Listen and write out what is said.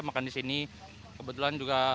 makan disini kebetulan juga